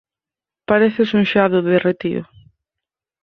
Pareces un xeado derretido.